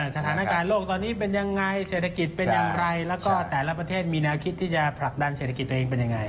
สถานการณ์โลกตอนนี้เป็นยังไงเศรษฐกิจเป็นอย่างไรแล้วก็แต่ละประเทศมีแนวคิดที่จะผลักดันเศรษฐกิจตัวเองเป็นยังไง